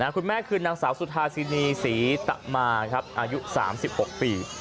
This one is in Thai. คุณแม่คือนางสาวสุธาสินีศรีตะมาอายุ๓๖ปี